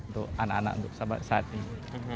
untuk anak anak sahabat saat ini